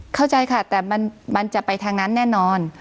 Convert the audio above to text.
เข้าใจค่ะแต่มันจะไปทางนั้นแน่นอน